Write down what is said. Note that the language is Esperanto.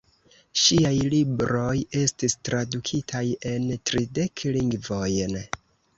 Ŝiaj libroj estis tradukitaj en tridek lingvojn.